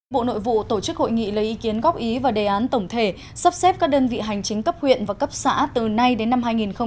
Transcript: bộ nội vụ tổ chức hội nghị lấy ý kiến góp ý và đề án tổng thể sắp xếp các đơn vị hành chính cấp huyện và cấp xã từ nay đến năm hai nghìn hai mươi một